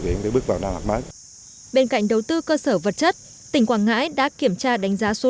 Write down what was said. đến với bước vào năm học mới bên cạnh đầu tư cơ sở vật chất tỉnh quảng ngãi đã kiểm tra đánh giá số